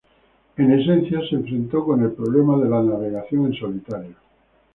En esencia, se enfrentó con el problema de la navegación en solitario.